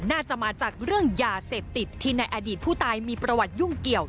น่าจะมาจากเรื่องยาเสพติดที่ในอดีตผู้ตายมีประวัติยุ่งเกี่ยว